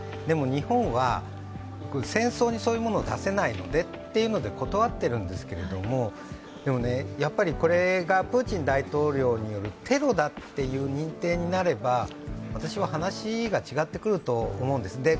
でも、日本は戦争にそういうものを出せないのでというので断ってるんですけど、でもこれがプーチン大統領によるテロだという認定になれば私は話が違ってくると思うんです。